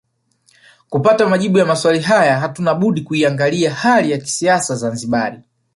Kupata majibu ya maswali haya hatuna budi kuiangalia hali ya kisiasa ya Zanzibar